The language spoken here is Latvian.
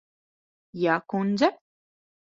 Jā, kundze.